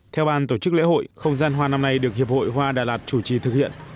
theo ban tổ chức lễ hội không gian hoa năm nay được hiệp hội hoa đà lạt chủ trì thực hiện